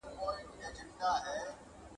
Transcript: زه اوس د کتابتوننۍ سره مرسته کوم؟